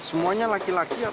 semuanya laki laki atau